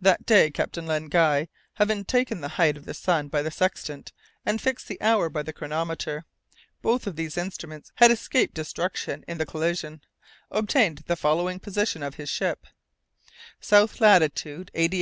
That day, Captain Len Guy, having taken the height of the sun by the sextant and fixed the hour by the chronometer (both of these instruments had escaped destruction in the collision), obtained the following position of his ship: South latitude: 88° 55'.